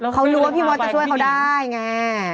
เขารู้ว่าพี่มดจะช่วยเขาได้ไง